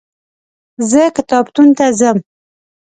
زه کتابتون ته ځم.